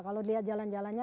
kalau dilihat jalan jalannya